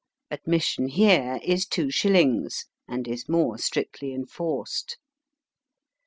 Admission here is two shillings, and is more strictly enforced.